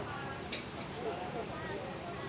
สวัสดีครับทุกคน